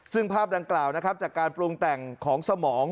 ซึ่งภาพดังกล่าวนะครับจากการปรุงแต่งของสมอง